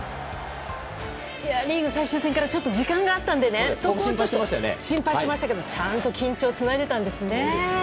リーグ最終戦からちょっと時間があったのでそこを心配してましたけどちゃんと緊張をつないでいたんですね。